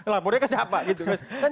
lapornya ke siapa gitu